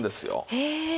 へえ。